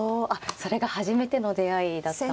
それが初めての出会いだったんですね。